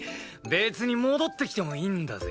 別に戻ってきてもいいんだぜ。